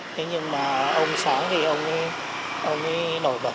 thế nhưng mà ông sáng thì ông ấy nổi bật